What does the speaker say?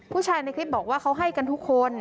ในคลิปบอกว่าเขาให้กันทุกคน